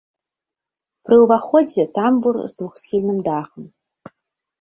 Пры ўваходзе тамбур з двухсхільным дахам.